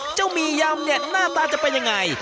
หมี่ยำเนี่ยหน้าตาจะเป็นยังไง